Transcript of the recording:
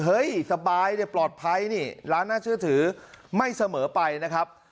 สบายเนี่ยปลอดภัยนี่ร้านน่าเชื่อถือไม่เสมอไปนะครับ